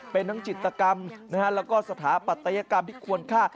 เป็นทั้งจิตกรรมแล้วก็สถาปัตยกรรมที่ควรฆ่า